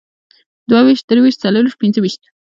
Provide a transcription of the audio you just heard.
دوهويشت، دريويشت، څلرويشت، پينځهويشت